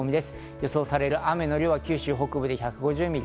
予想される雨の量は九州北部で１５０ミリ。